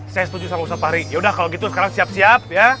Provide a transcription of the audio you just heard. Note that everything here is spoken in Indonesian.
saya setuju sama ustazah yaudah kalo gitu sekarang siap siap ya